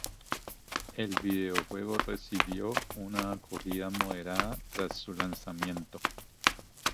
El videojuego recibió una acogida moderada tras su lanzamiento.